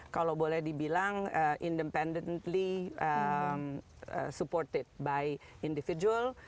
kalau boleh dibilang independently supported by individual